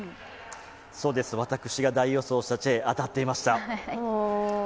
私が大予想、そして当たっていました。